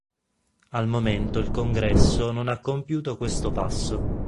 Al momento il Congresso non ha compiuto questo passo.